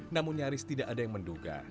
namun nyaris tidak ada yang menduga